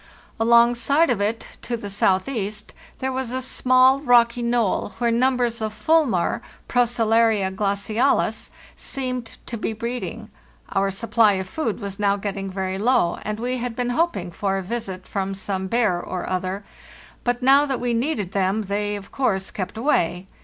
Alongside of it, to * Jackson's '" Cape Fisher." 502 FARTHEST NORTH the southeast, there was a small rocky knoll, where num bers of fulmar (Procellarza glacialis) seemed to be breed ing. Our supply of food was now getting very low, and we had been hoping for a visit from some bear or other; but now that we needed them they of course kept away.